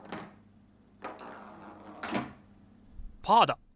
パーだ！